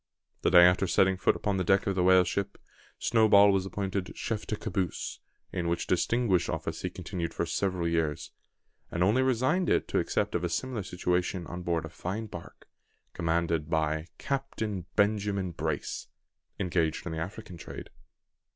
The day after setting foot upon the deck of the whale ship, Snowball was appointed chef de caboose, in which distinguished office he continued for several years; and only resigned it to accept of a similar situation on board a fine bark, commanded by Captain Benjamin Brace, engaged in the African trade.